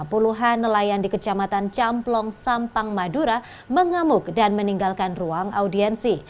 puluhan nelayan di kecamatan camplong sampang madura mengamuk dan meninggalkan ruang audiensi